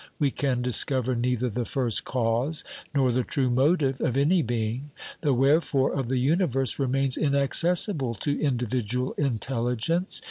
We can discover neither the first cause nor the true motive of any being ; the wherefore of the universe remains inaccessible to individual intelligence.